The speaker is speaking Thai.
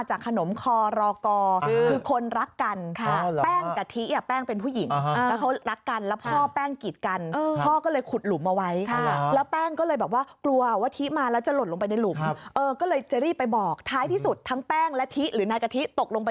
หมายเลขโทรศัพท์บอกไว้นิดหนึ่งแล้วกันนะ